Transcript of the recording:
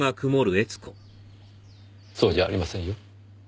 そうじゃありませんよ。